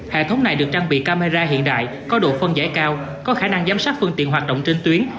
hệ thống này được trang bị camera hiện đại có độ phân giải cao có khả năng giám sát phương tiện hoạt động trên tuyến